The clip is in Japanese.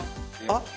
あっ！